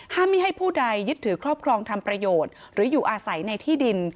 ไม่ให้ผู้ใดยึดถือครอบครองทำประโยชน์หรืออยู่อาศัยในที่ดิน